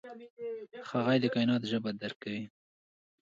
هغه د کائنات ژبه درک کوي.